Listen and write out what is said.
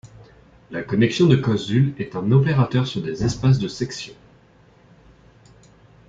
La connexion de Koszul est un opérateur sur des espaces de sections.